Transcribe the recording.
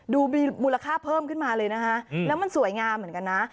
ดูมีมูลค่าเพิ่มขึ้นมาเลยนะคะแล้วมันสวยงามเหมือนกันนะ